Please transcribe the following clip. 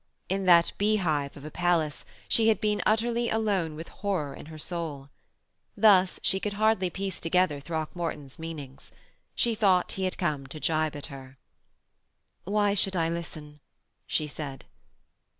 In that beehive of a place she had been utterly alone with horror in her soul. Thus she could hardly piece together Throckmorton's meanings. She thought he had come to gibe at her. 'Why should I listen?' she said.